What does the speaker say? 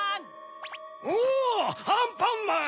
おぉアンパンマン！